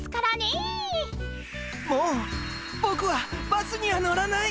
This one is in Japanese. もうボクはバスには乗らない。